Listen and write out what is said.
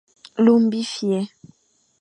Luma bifer,